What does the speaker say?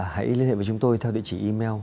hãy liên hệ với chúng tôi theo địa chỉ email